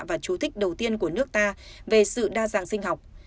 và chú thích đầu tiên của nước ta về sự đa dạng sinh học